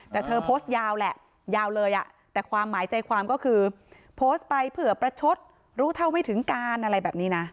แต่เธอโพสต์ยาวแหละยาวเลยอ่ะแต่ความหมายใจความก็คือโพสต์ไปเผื่อประชดรู้เท่าไม่ถึงการอะไรแบบนี้นะ